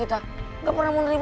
itu tadi mau lah prote stereo